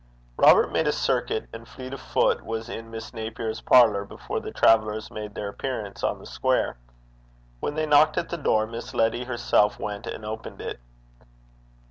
Robert made a circuit, and, fleet of foot, was in Miss Napier's parlour before the travellers made their appearance on the square. When they knocked at the door, Miss Letty herself went and opened it.